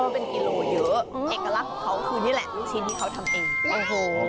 เป็นกิโลเยอะเอกลักษณ์ของเขาคือนี่แหละลูกชิ้นที่เขาทำเองโอ้โห